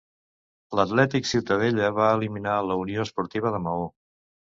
L'Atlètic Ciutadella va eliminar la Unió Esportiva de Maó.